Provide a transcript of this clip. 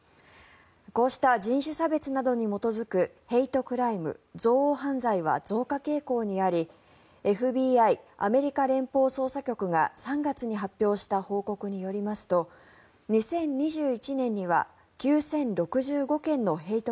こうした人種差別などに基づくヘイトクライム、憎悪犯罪は増加傾向にありＦＢＩ・アメリカ連邦捜査局が３月に発表した報告によりますと２０２１年には９０６５件のヘイト